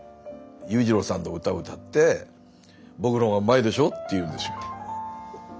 裕次郎さんの歌を歌って「僕のほうがうまいでしょ」って言うんですよ。